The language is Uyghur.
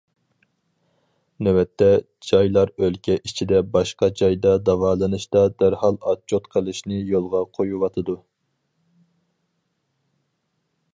نۆۋەتتە، جايلار ئۆلكە ئىچىدە باشقا جايدا داۋالىنىشتا دەرھال ئاتچوت قىلىشنى يولغا قويۇۋاتىدۇ.